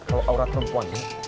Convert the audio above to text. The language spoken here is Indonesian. kalau aurat perempuannya